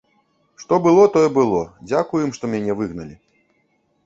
Што было, тое было, дзякуй ім, што мяне выгналі.